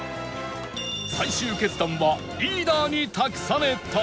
最終決断はリーダーに託された